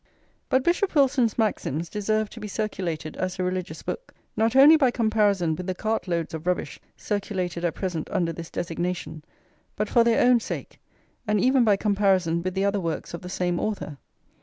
But Bishop Wilson's Maxims deserve to be circulated as a religious book, not only by comparison with the cartloads of rubbish circulated at present under this designation, but for their own sake, and even by comparison with the other works of the same [v] author.